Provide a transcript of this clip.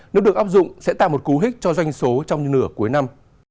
nếu được áp dụng sẽ tạo một cú hích cho doanh số trong những nửa cuối năm